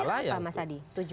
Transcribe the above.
tujuannya apa mas adi